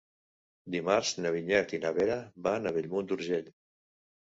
Dimarts na Vinyet i na Vera van a Bellmunt d'Urgell.